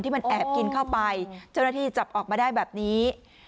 ที่มันแอบกินเข้าไปเดี๋ยวนาฬิกิจับออกมาได้แบบนี้